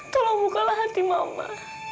tolong bukalah hati mama